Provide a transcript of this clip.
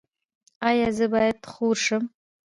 ایا زه باید خور شم؟